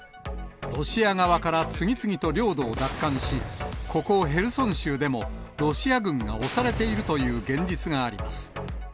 ロシア側から次々と領土を奪還し、ここ、ヘルソン州でもロシア軍が押されているという現実があります。